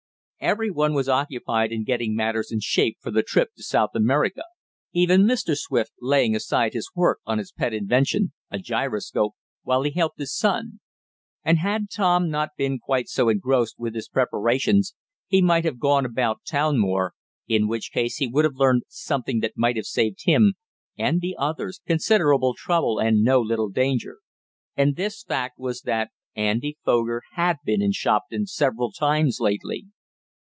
Everyone was occupied in getting matters in shape for the trip to South America, even Mr. Swift laying aside his work on his pet invention a gyroscope while he helped his son. And had Tom not been quite so engrossed with his preparations he might have gone about town more, in which case he would have learned something that might have saved him and the others considerable trouble and no little danger. And this fact was that Andy Foger had been in Shopton several times lately.